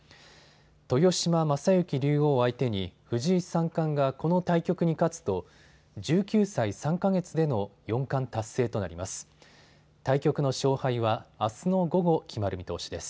豊島将之竜王を相手に藤井三冠がこの対局に勝つと１９歳３か月での四冠達成となります。